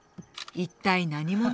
一体何者？